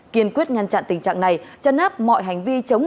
kiên quyết nhăn chặn tình trạng này chân áp mọi hành vi chống người